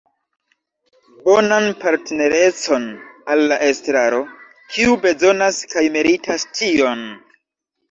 Bonan partnerecon al la Estraro, kiu bezonas kaj meritas tion.